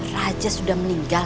raja sudah meninggal